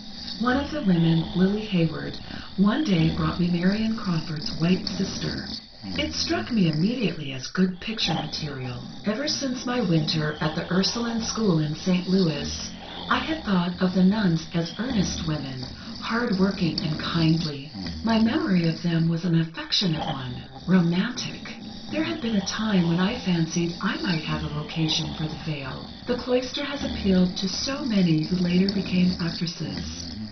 One of the women, Lily Hayward, one day brought me Marion Crawford's 'White Sister.' It struck me immediately as good picture material. "Ever since my winter at the Ursuline School in St. Louis, I had thought of the nuns as earnest women, hard working and kindly. My memory of them was an affectionate one—romantic. There had been a time when I fancied I might have a vocation for the veil. The cloister has appealed to so many who later became actresses.